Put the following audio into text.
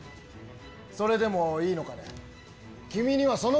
それでもいいのかね。